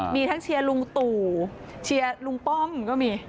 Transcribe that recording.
มีทั้งเชียร์ลุงตู่เชียร์ลุงป้อมก็มี